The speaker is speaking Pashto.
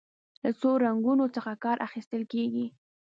له څو رنګونو څخه کار اخیستل کیږي.